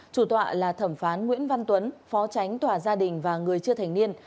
chủ tọa là thẩm phán nguyễn văn tuấn phó tránh tòa gia đình và người chưa thành niên